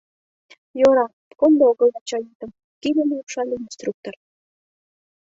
— Йӧра, кондо огыла чаетым, — кидым лупшале инструктор.